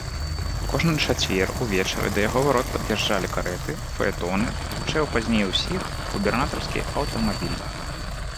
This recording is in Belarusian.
Кожны чацвер увечары да яго варот пад'язджалі карэты, фаэтоны, гучэў пазней усіх губернатарскі аўтамабіль.